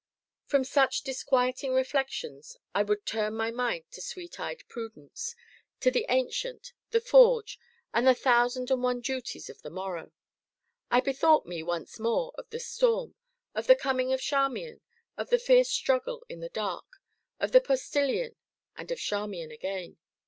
From such disquieting reflections I would turn my mind to sweet eyed Prudence, to the Ancient, the forge, and the thousand and one duties of the morrow. I bethought me, once more, of the storm, of the coming of Charmian, of the fierce struggle in the dark, of the Postilion, and of Charmian again.